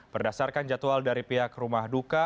berdasarkan jadwal dari pihak rumah duka